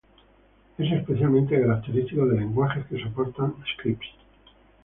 Es especialmente característico de lenguajes que soportan scripts.